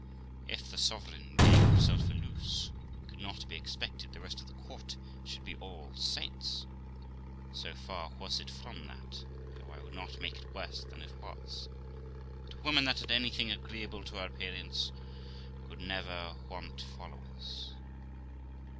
If the sovereign gave himself a loose, it could not be expected the rest of the court should be all saints ; so far was it from that, though I would not make it worse than it was, that a woman that had anything agreeable in her appearance could never want followers.